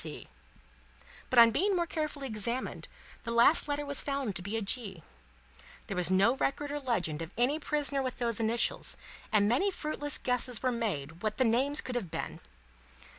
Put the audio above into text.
C.; but, on being more carefully examined, the last letter was found to be G. There was no record or legend of any prisoner with those initials, and many fruitless guesses were made what the name could have been.